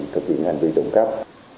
cập trị hành vi trộm cắp